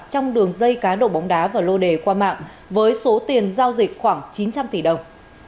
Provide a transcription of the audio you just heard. trong đường dây cá độ bóng đá và lô đề qua mạng với số tiền giao dịch khoảng chín trăm linh tỷ đồng